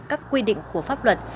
các quy định của pháp luật